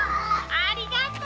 ありがとう！